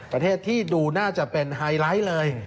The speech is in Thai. ประเทศที่ดูน่าจะเป็นไฮไลท์เลย